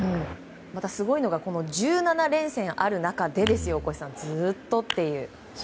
また、すごいのが１７連戦ある中で大越さん、ずっとという。